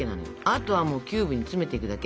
あとはキューブに詰めていくだけ。